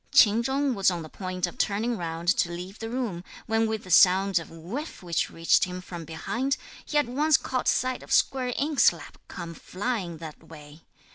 Ch'in Chung was on the point of turning round to leave the room, when with a sound of 'whiff' which reached him from behind, he at once caught sight of a square inkslab come flying that way.